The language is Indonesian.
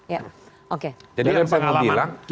ya oke jadi yang saya mau bilang